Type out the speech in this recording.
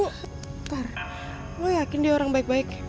akur lo yakin dia orang baik baik